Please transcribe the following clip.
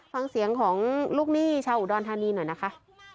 ฟังเสียงของลูกหนี้ชาวอุดรธานีหน่อยนะคะ